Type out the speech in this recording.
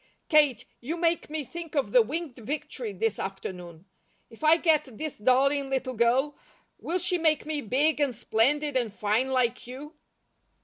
Kate, you make me think of the 'Winged Victory,' this afternoon. If I get this darling little girl, will she make me big, and splendid, and fine, like you?"